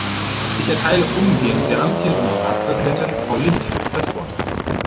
Ich erteile umgehend der amtierenden Ratspräsidentin, Frau Lindh, das Wort.